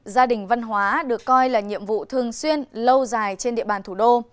gia đình văn hóa được coi là nhiệm vụ thường xuyên lâu dài trên địa bàn thủ đô